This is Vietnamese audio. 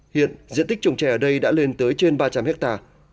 hiện diện tích trồng trè ở đây đã lên tới trên ba trăm linh hectare